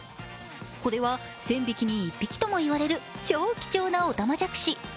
これは１０００匹に１匹ともいわれる超貴重なおたまじゃくし。